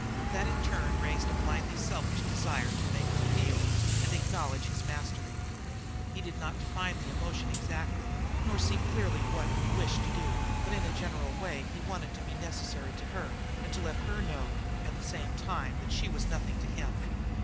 That in turn raised a blindly selfish desire to make her feel and acknowledge his mastery. He did not define the emotion exactly, nor see clearly what he wished to do, but in a general way he wanted to be necessary to her, and to let her know at the same time that she was nothing to him.